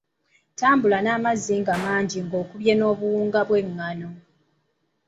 Tabula amazzi g'amagi g'okubye n'obuwunga bw'engano.